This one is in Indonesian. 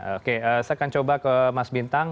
oke saya akan coba ke mas bintang